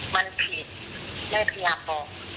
มันผิดแม่พยายามบอก